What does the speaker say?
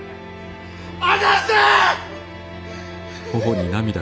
離せ！